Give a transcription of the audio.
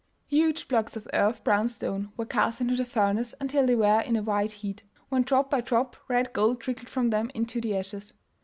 Huge blocks of earth brown stone were cast into the furnace until they were in a white heat, when drop by drop red gold trickled from them into the ashes.